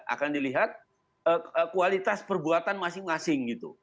akan dilihat kualitas perbuatan masing masing gitu